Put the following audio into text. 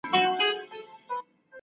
خپل ځان له یخني څخه وساتئ.